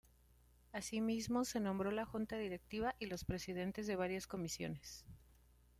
Asimismo se nombró la junta directiva y los presidentes de varias comisiones.